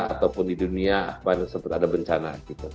ataupun di dunia sempat ada bencana